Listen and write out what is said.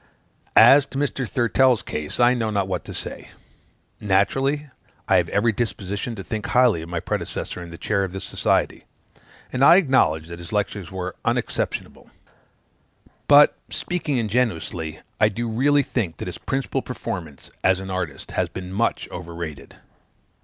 As to Mr. Thurtell's case, I know not what to say. Naturally, I have every disposition to think highly of my predecessor in the chair of this society; and I acknowledge that his lectures were unexceptionable. But, speaking ingenuously, I do really think that his principal performance, as an artist, has been much overrated.